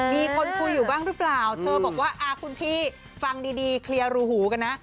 มีคนคุยอยู่บ้างหรือเปล่าเธอบอกว่าคุณพี่ฟังดีเคลียร์รูหูกันนะ